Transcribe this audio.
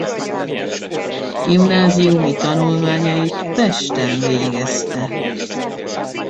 Gimnáziumi tanulmányait Pesten végezte.